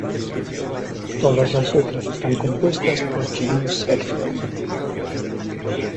Todas las letras están compuestas por James Hetfield.